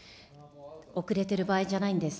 遅れてる場合じゃないんです。